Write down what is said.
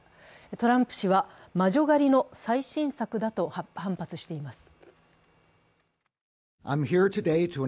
トランプ氏は、魔女狩りの最新作だと反発しています。